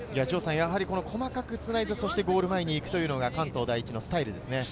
やはり細かくつなぐ、そしてゴール前に行くというのが関東第一のスタイルですね。